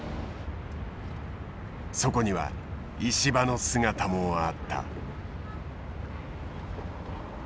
そこには石破の姿もあった。